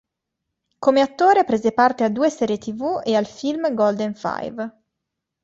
Come attore prese parte a due serie tv e al film "Golden Five".